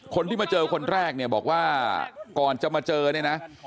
คนที่มาเจอคนแรกเนี่ยบอกว่าก่อนจะมาเจอเนี่ยนะ